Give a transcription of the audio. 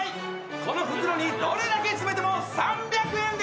この袋にどれだけ詰めても３００円でーす！